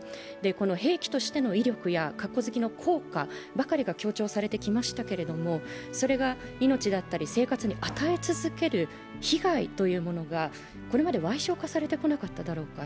兵器としての威力や成果ばかりが強調されてきましたけれども、それが命だったり生活に与え続ける被害というものがこれまで矮小化されてこなかっただろうか。